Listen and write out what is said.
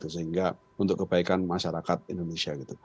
sehingga untuk kebaikan masyarakat indonesia gitu